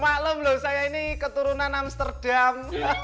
maklum loh saya ini keturunan amsterdam